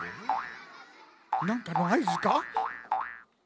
なんかのあいずか？